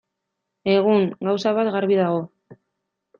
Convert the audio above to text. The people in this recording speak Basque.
Egun, gauza bat garbi dago.